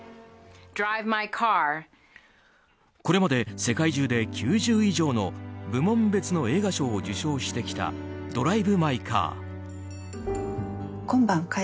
これまで世界中で９０以上の部門別の映画賞を受賞してきた「ドライブ・マイ・カー」。